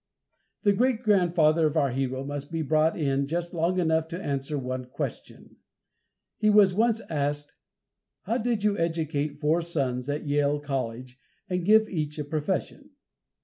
The great grandfather of our hero must be brought in just long enough to answer one question. He was once asked, "How did you educate four sons at Yale College, and give each a profession?"